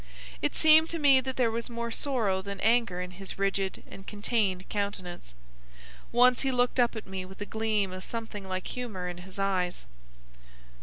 It seemed to me that there was more sorrow than anger in his rigid and contained countenance. Once he looked up at me with a gleam of something like humour in his eyes.